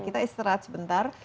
kita istirahat sebentar